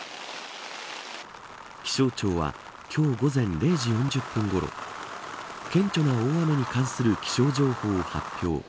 気象庁は今日午前０時４０分ごろ顕著な大雨に関する気象情報を発表。